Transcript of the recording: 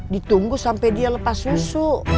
ditunggu sampai dia lepas susu